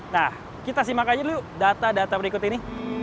nah kita simak aja dulu data data berikut ini